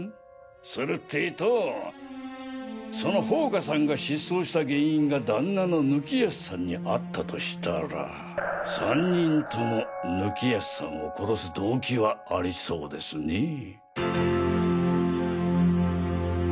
するってとその宝華さんが失踪した原因が旦那の貫康さんにあったとしたら３人とも貫康さんを殺す動機はありそうですねぇ。